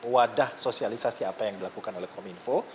wadah sosialisasi apa yang dilakukan oleh kominfo